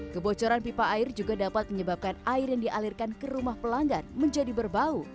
kebocoran pipa air juga dapat menyebabkan air yang dialirkan ke rumah pelanggan menjadi berbau